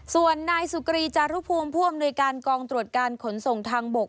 ส่วนนายสุกรีจารุภูมิผู้อำนวยการกองตรวจการขนส่งทางบก